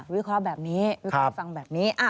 วิเคราะห์แบบนี้